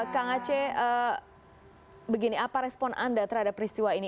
kang aceh begini apa respon anda terhadap peristiwa ini